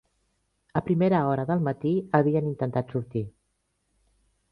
A primera hora del matí havien intentat sortir